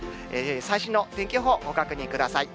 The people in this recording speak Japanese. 最新の天気予報、ご確認ください。